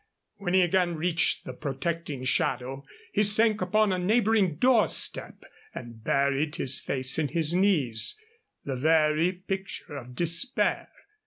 When he again reached the protecting shadow he sank upon a neighboring doorstep and buried his face in his knees, the very picture of despair.